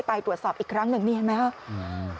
ไปตรวจสอบอีกครั้งหนึ่งนี่เห็นไหมครับ